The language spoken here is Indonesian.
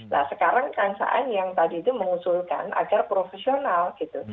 nah sekarang kang saan yang tadi itu mengusulkan agar profesional gitu